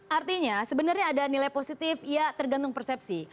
artinya sebenarnya ada nilai positif ya tergantung persepsi